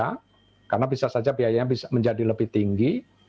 biaya bisa saja menjadi lebih tinggi